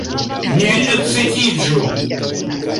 Ne ekcitiĝu!